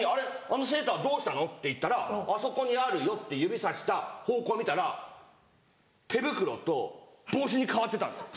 あのセーターどうしたの？」って言ったら「あそこにあるよ」って指さした方向見たら手袋と帽子に変わってたんです